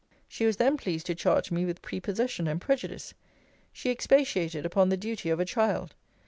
She was then pleased to charge me with prepossession and prejudice. She expatiated upon the duty of a child.